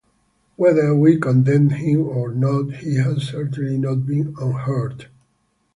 Whether we condemn him or not, he has certainly not been unheard.